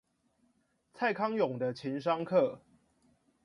蔡康永的情商課